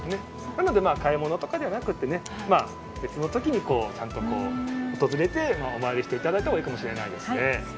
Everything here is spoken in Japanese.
なので、買い物とかじゃなくて別の時にちゃんと訪れてお参りしていただいたほうがいいかもしれないですね。